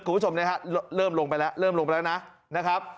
คุณผู้ชมนะฮะเริ่มลงไปแล้วเริ่มลงไปแล้วนะนะครับ